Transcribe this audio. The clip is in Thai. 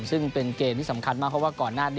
ซึ่งเป็นเกมที่สำคัญมากเพราะว่าก่อนหน้านี้